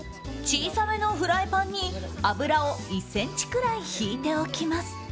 小さめのフライパンに油を１ｃｍぐらいひいておきます。